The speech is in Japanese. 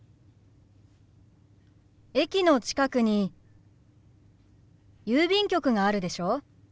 駅の近くに郵便局があるでしょ。